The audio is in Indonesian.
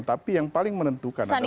tapi yang paling menentukan adalah